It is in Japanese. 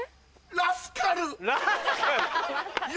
ラスカルや！